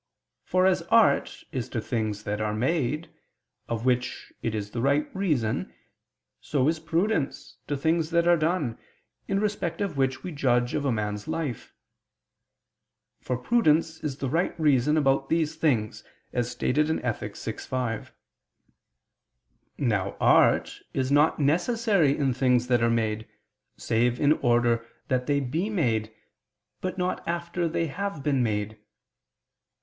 For as art is to things that are made, of which it is the right reason, so is prudence to things that are done, in respect of which we judge of a man's life: for prudence is the right reason about these things, as stated in Ethic. vi, 5. Now art is not necessary in things that are made, save in order that they be made, but not after they have been made.